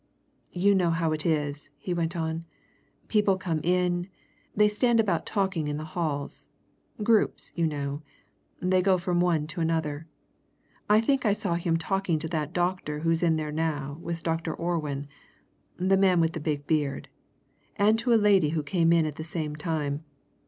"You know how it is," he went on. "People come in they stand about talking in the hall groups, you know they go from one to another. I think I saw him talking to that doctor who's in there now with Dr. Orwin the man with the big beard and to a lady who came at the same time.